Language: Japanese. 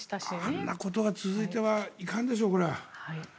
あんなことが続いてはいかんでしょ。